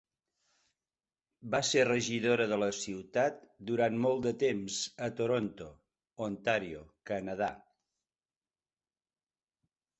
Va ser regidora de la ciutat durant molt de temps a Toronto, Ontario, Canadà.